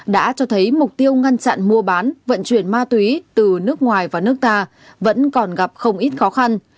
đã cho thấy mục tiêu ngăn chặn mua bán vận chuyển ma túy từ nước ngoài vào nước ta vẫn còn gặp không ít khó khăn